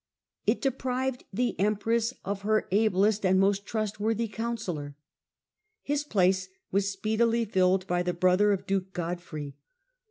It deprived the empress of her ablest and most trustworthy counsellor. His place was speedily filled by the brother of duke Grod frey.